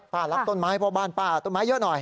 รักต้นไม้เพราะบ้านป้าต้นไม้เยอะหน่อย